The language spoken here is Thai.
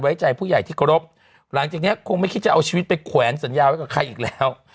ไว้ใจผู้ใหญ่ที่เคารพหลังจากเนี้ยคงไม่คิดจะเอาชีวิตไปแขวนสัญญาไว้กับใครอีกแล้ว